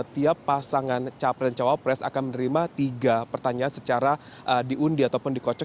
tiap pasangan capres dan cawapres akan menerima tiga pertanyaan secara diundi ataupun dikocok